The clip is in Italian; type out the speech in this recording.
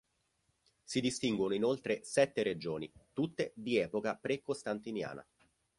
Si distinguono inoltre sette regioni, tutte di epoca pre-costantiniana.